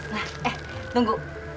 nah eh tunggu